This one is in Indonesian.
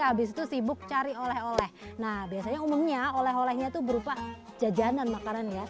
habis itu sibuk cari oleh oleh nah biasanya umumnya oleh olehnya itu berupa jajanan makanan ya